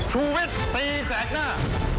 ชุวิตตีแสกหน้า